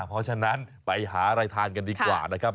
เพราะฉะนั้นไปหารายทานกันดีกว่านะครับ